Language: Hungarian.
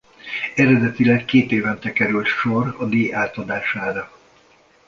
Eredetileg kétévente került sor a díj átadására.